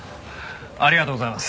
ありがとうございます。